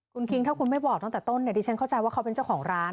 คุณคิงถ้าคุณไม่บอกตั้งแต่ต้นเนี่ยดิฉันเข้าใจว่าเขาเป็นเจ้าของร้าน